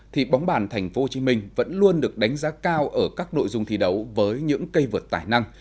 thì bóng bàn tp hcm vẫn luôn được đánh giá cao ở các nội dung thi đấu với những cây vượt tài năng